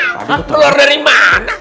pak de bertelur dari mana